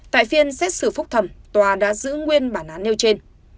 tại phiên xét xử phúc thẩm tòa đã giữ nguyên bản án nêu trên